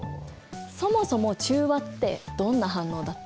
そもそも中和ってどんな反応だった？